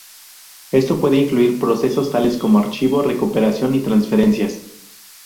Esto puede incluir procesos tales como archivo, recuperación y transferencias.